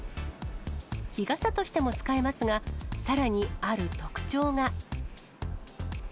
日傘としても使えますが、さらにある特徴が。